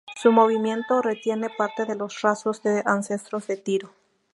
Su movimiento retiene parte de los rasgos de sus ancestros de tiro.